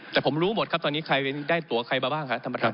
แต่ผมรู้หมดครับตอนนี้ใครได้ตัวใครมาบ้างครับท่านประธาน